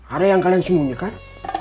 ada yang kalian sembunyikan